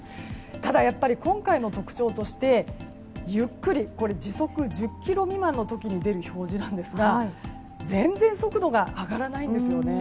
ただ、やっぱり今回の特徴としてゆっくり時速１０キロ未満の時に出る表示なんですが全然速度が上がらないんですよね。